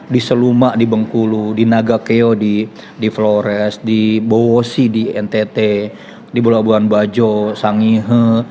di seluma di bengkulu di naga keo di flores di bowosi di ntt di bola buan bajo sangihe